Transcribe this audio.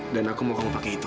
dan aku mau kamu pakai itu